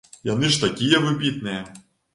Яны ж такія выбітныя!